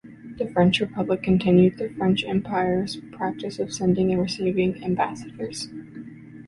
The French Republic continued the French Empire's practice of sending and receiving ambassadors.